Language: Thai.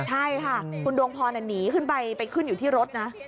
ใช่ค่ะคุณดวงพรหนีขึ้นไปไปขึ้นอยู่ที่รถนะ